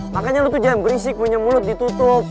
makanya lo tuh jangan berisik punya mulut ditutup